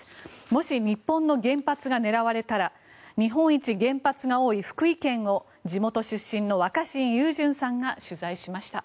もし日本の原発が狙われたら日本一原発が多い福井県を地元出身の若新雄純さんが取材しました。